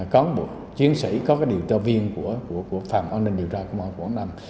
có một chiến sĩ có cái điều tra viên của phạm oanh ninh điều tra của quảng nam